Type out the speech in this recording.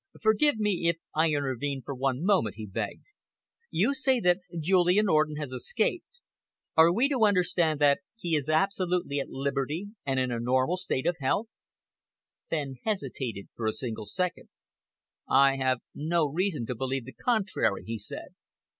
"Forgive me if I intervene for one moment," he begged. "You say that Julian Orden has escaped. Are we to understand that he is absolutely at liberty and in a normal state of health?" Fenn hesitated for a single second. "I have no reason to believe the contrary," he said.